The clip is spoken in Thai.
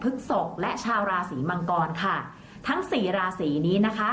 ฤกษกและชาวราศีมังกรค่ะทั้งสี่ราศีนี้นะคะ